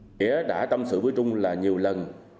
nghĩa đã tâm sự với trung là nhiều lần